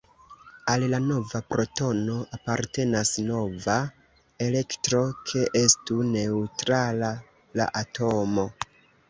Al la nova protono apartenas nova elektro, ke estu neŭtrala la atomo.